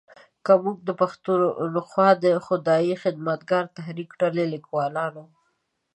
که موږ د پښتونخوا د خدایي خدمتګار د تحریک ډلې لیکوالانو